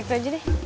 itu aja deh